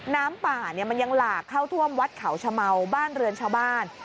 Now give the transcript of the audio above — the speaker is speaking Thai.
น้ำป่ามันยังหลากเข้าท่วมวัดเขาชะเมาบ้านเรือนชาวบ้าน